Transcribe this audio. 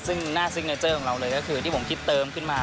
ซึ่งหน้าซิกเนเจอร์ของเราเลยก็คือที่ผมคิดเติมขึ้นมา